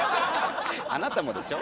あなたもでしょ。